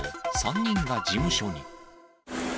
３人が事務所に。